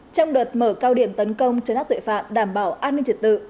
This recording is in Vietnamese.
trong đợt mở cao điểm tấn công chấn áp tuệ phạm đảm bảo an ninh trật tự